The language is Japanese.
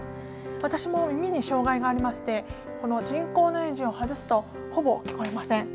私も、耳に障害がありまして人工内耳を外すとほぼ聞こえません。